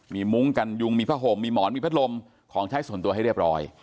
มีมุ้งกันยุงมีผ้าห่มมีหมอนมีพัดลมของใช้ส่วนตัวให้เรียบร้อย